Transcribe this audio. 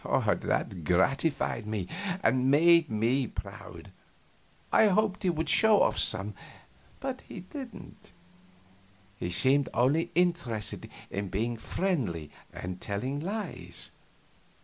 That gratified me, and made me proud. I hoped he would show off some, but he didn't. He seemed only interested in being friendly and telling lies.